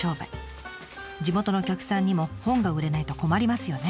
地元のお客さんにも本が売れないと困りますよね。